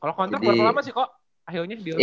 kalo kontrak berapa lama sih kok